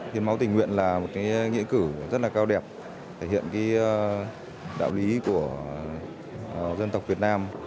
hiến máu tình nguyện là một nghĩa cử rất là cao đẹp thể hiện đạo lý của dân tộc việt nam